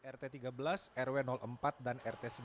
rt tiga belas rw empat dan rt tiga belas ru